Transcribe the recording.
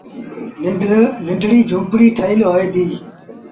ننڍڙيٚ جھوپڙيٚ ٺهيٚل هوئي ديٚ۔